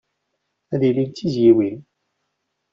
Ad ilin d tizzyiwin.